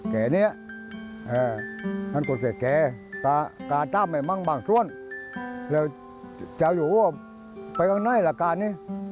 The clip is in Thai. ไปกันไหนละกันนี้